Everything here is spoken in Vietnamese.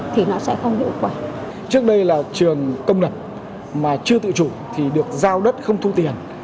trước đây là trường công lập mà chưa tự chủ thì được giao đất không thu tiền